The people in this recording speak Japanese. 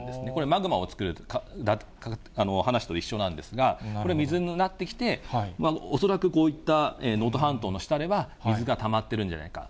マグマを作る話と一緒なんですが、これ、水になってきて、恐らくこういった能登半島の下では、水がたまってるんじゃないか。